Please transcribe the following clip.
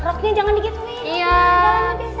rocknya jangan di gitu iya